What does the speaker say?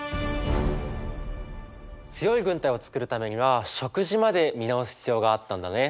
強い軍隊を作るためには食事まで見直す必要があったんだね。